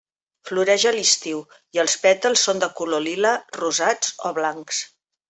Floreix a l'estiu i els pètals són de color lila, rosats o blancs.